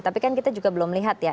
tapi kan kita juga belum lihat ya